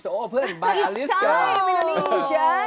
sekarang pintunya terbuka oleh ariske